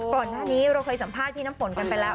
ก่อนหน้านี้เราเคยสัมภาษณ์พี่น้ำฝนกันไปแล้ว